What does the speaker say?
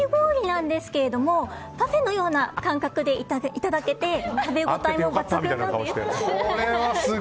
なんですがパフェのような感覚でいただけて食べ応えも抜群なんです。